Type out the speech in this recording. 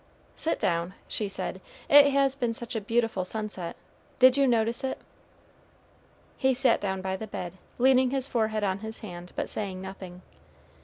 "Sit down," she said; "it has been such a beautiful sunset. Did you notice it?" He sat down by the bed, leaning his forehead on his hand, but saying nothing.